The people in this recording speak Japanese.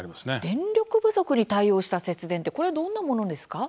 電力不足に対応した節電とは、どんなものですか？